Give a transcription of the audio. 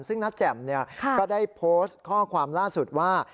ซึ่งน้าแจ่มก็ได้โพสต์ข้อความล่าสุดว่า